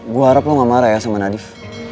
gue harap lo gak marah ya sama nadif